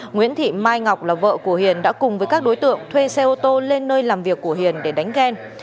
nguyễn thị mai ngọc là vợ của hiền đã cùng với các đối tượng thuê xe ô tô lên nơi làm việc của hiền để đánh ghen